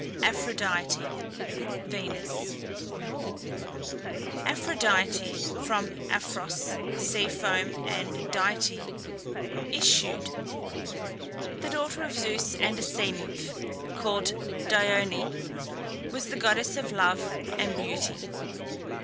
APHRODITE (VENUS). Aphrodite (from aphros, sea foam, and dite, issued), the daughter of Zeus and a sea nymph called Dione, was the goddess of Love and Beauty.